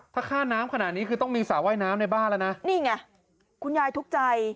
ถ้าค่าน้ำขนาดนี้คือต้องมีสระว่ายน้ำในบ้านแล้วนะนี่ไงคุณยายทุกข์ใจ